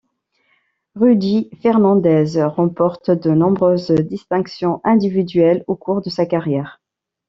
Rudy Fernández remporte de nombreuses distinctions individuelles au cours de sa carrière.